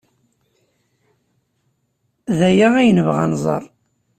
D aya ay nebɣa ad nẓer.